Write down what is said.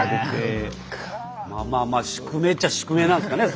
まあまあ宿命っちゃ宿命なんすかね